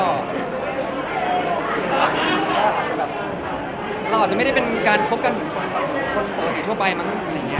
เราอาจจะไม่ได้เป็นการคบกันส่วนผลปกติทั่วไปมั้ง